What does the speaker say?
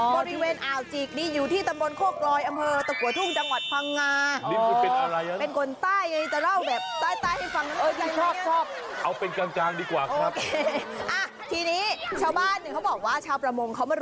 บริเวณอ่าวจิกนี้อยู่ที่ตำบลโคกลอยอำเภอตะกัวทุ่งจังหวัดพังงา